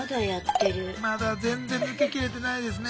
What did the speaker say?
まだ全然抜け切れてないですね。